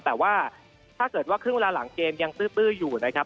แต่ว่าถ้าเกิดว่าครึ่งเวลาหลังเกมยังตื้ออยู่นะครับ